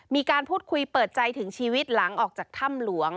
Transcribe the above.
มีการพูดคุยเปิดใจถึงชีวิตหลังออกจากถ้ำหลวง